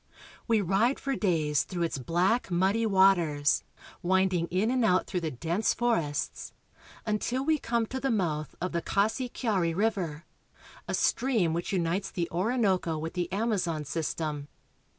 We ride for days through its black, muddy waters, winding in and out through the dense forests, until we come to the mouth of the Cassiquiari (ka se ke a're) river, a stream which unites the Orinoco with the Amazon system.